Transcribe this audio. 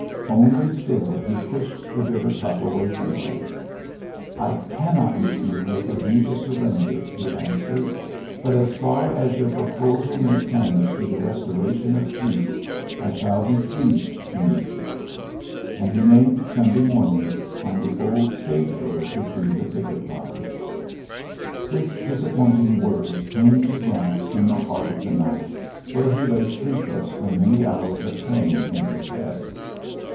Only still he pushed the ULYSSES S. GBANT 123 bitter cup away from him. '^ I camiot meet you with a view to surrender," he answered ; "but, as far as your proposal may tend to the restoration of peace, I shall be pleased to meet you.'' And he named Sunday morning, on the old stage road between the picket lines. This disappoiating word came to Grant in the heart of the night, where he lay sleepless from many hours of pain in his head.